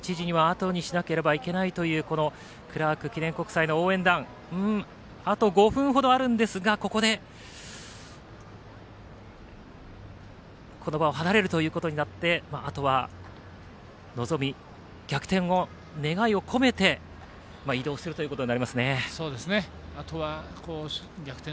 １１時にはあとにしなければいけないというクラーク記念国際の応援団あと５分ほどあるんですがここでこの場を離れるということになってあとは望み、逆転の願いを込めて移動するということになりますね。